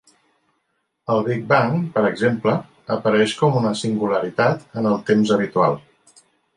El Big bang, per exemple, apareix com una singularitat en el temps habitual.